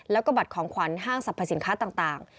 แล้วก็บัตรของขวัญห้างสรรพสินค้าต่าง